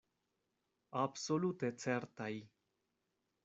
Absolute certaj.